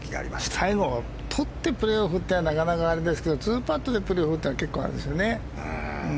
最後取ってプレーオフというのはなかなかあれですけど２パットでプレーオフっていうのは結構あれですよね。